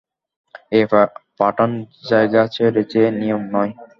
এই পাঠান জায়গা ছেড়েছে, নিয়ম নয়।